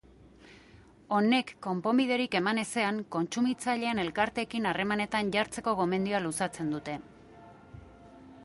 Honek konponbiderik eman ezean, kontsumitzaileen elkarteekin harremanetan jartzeko gomendioa luzatzen dute.